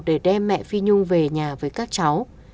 để đem mẹ phi nhung về nhà với các cháu